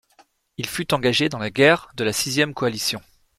Il fut engagé dans la Guerre de la Sixième Coalition.